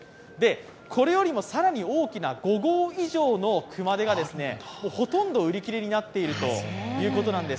これよりも更に大きな５号以上の熊手がほとんど売り切れになっているということなんです。